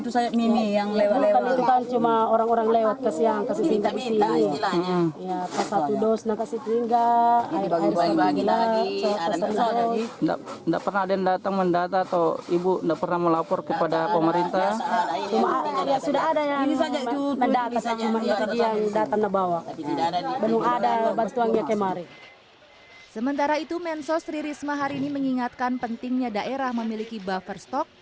sementara itu mensos ririsma hari ini mengingatkan pentingnya daerah memiliki buffer stock